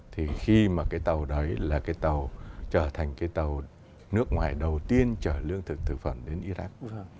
thì khi mà cái tàu đấy là cái tàu trở thành cái tàu nước ngoài đầu tiên trở lương thực thực phẩm đến iraq